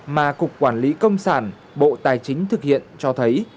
mà cục quản lý công sản bộ tài chính thực hiện cho thấy